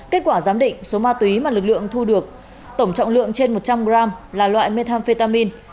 kết quả giám định số ma túy mà lực lượng thu được tổng trọng lượng trên một trăm linh gram là loại methamphetamin